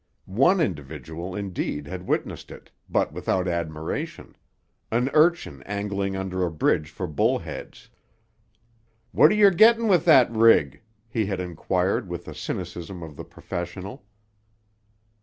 One individual, indeed, had witnessed it, but without admiration—an urchin angling under a bridge for bullheads. "W'at yer gittin' with that rig?" he had inquired with the cynicism of the professional.